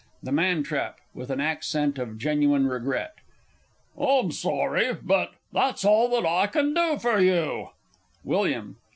The Man trap (with an accent of genuine regret). I'm sorry but that's all that I can do for you! _Wm.